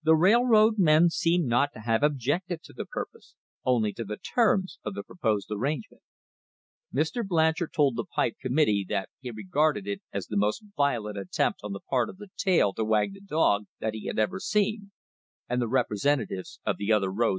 * The railroad men seem not to have objected to the purpose, only to the terms of the proposed arrangement. Mr. Blanchard told the pipe committee that he regarded it as the most violent attempt on the part of the tail to wag the dog that he had ever seen, and the representatives of the other roads agreed.